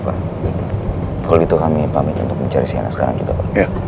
kalau gitu kami pamit untuk mencari sienna sekarang juga pak